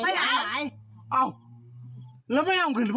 ขอบคุณอ๋อ